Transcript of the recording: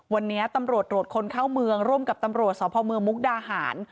วันนี้ตำรวจตรวจคนเข้าเมืองร่วมกับตำรวจสพเมืองมุกดาหาร